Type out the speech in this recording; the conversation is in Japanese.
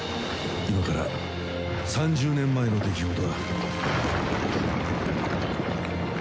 今から３０年前の出来事だ。